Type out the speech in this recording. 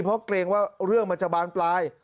เพราะเกรงว่าเรื่องมันจะบานปลาย